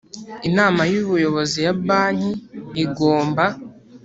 inama y ubuyobozi ya banki igomba